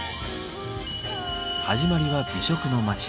始まりは美食の街